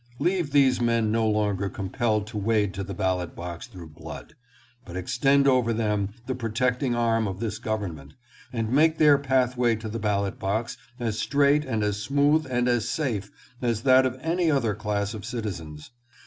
Leave these men no longer compelled to wade to the ballot box through blood, but extend over them the protecting arm of this government, and make their pathway to the ballot box as straight and as smooth and as safe as that of any other class of citizens.